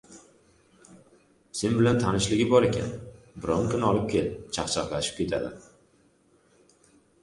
Sen bilan tanishligi bor ekan, biron kun olib kel, chaq-chaqlashib ketadi…